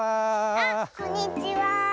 あっこんにちは。